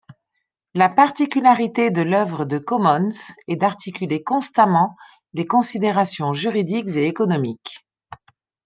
La particularité de l'œuvre de Commons est d'articuler constamment les considérations juridiques et économiques.